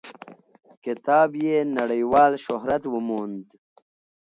کتاب یې نړیوال شهرت وموند.